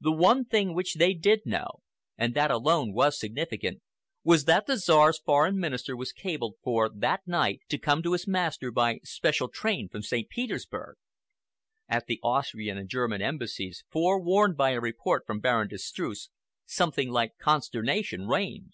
The one thing which they did know, and that alone was significant enough, was that the Czar's Foreign Minister was cabled for that night to come to his master by special train from St. Petersburg. At the Austrian and German Embassies, forewarned by a report from Baron de Streuss, something like consternation reigned.